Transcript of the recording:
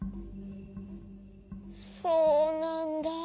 そうなんだ。